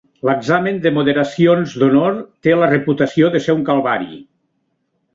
L'examen de moderacions d'honor té la reputació de ser un calvari.